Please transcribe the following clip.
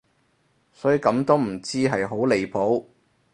所以咁都唔知係好離譜